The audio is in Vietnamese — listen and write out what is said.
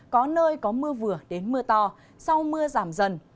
có nơi có mưa vừa đến mưa to sau mưa giảm dần